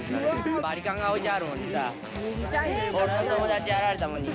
バリカンが置いてあるもんでさあ、俺の友達、やられたもん。